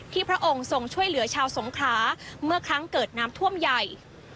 พระองค์ทรงช่วยเหลือชาวสงขลาเมื่อครั้งเกิดน้ำท่วมใหญ่